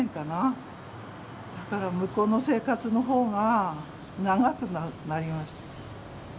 だから向こうの生活の方が長くなりました。